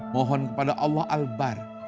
mohon kepada allah al bar